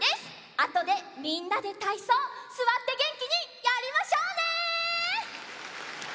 あとでみんなでたいそうすわってげんきにやりましょうね！